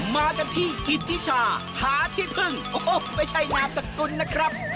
มากันที่กิติชาหาที่พึ่งโอ้โหไม่ใช่นามสกุลนะครับ